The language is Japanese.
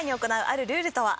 「あるルールとは？」